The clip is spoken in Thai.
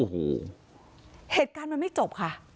โอ้โหเหตุการณ์มันไม่จบค่ะ